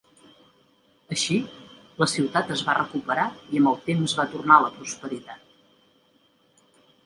Així, la ciutat es va recuperar i amb el temps va tornar la prosperitat.